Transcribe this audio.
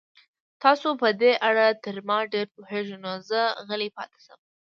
تاسو په دې اړه تر ما ډېر پوهېږئ، نو زه غلی پاتې شم.